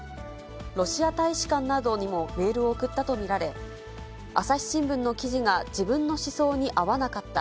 ロシア大使館などにもメールを送ったと見られ、朝日新聞の記事が自分の思想に合わなかった。